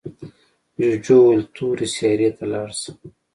جوجو وویل تورې سیارې ته لاړ شه.